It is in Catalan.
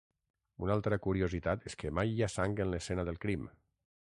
Una altra curiositat és que mai hi ha sang en l'escena del crim.